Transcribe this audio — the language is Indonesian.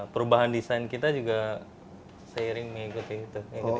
perubahan desain kita juga seiring mengikuti itu